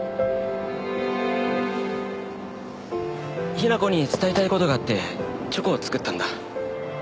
雛子に伝えたい事があってチョコを作ったんだ。